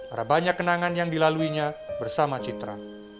ada banyak kenangan yang dilaluinya bersama citra